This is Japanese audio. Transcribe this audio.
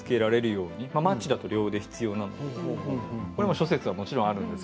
諸説は、もちろんあるんです。